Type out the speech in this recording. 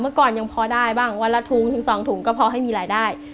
ก่อนยังพอได้บ้างวันละถุงถึง๒ถุงก็พอให้มีรายได้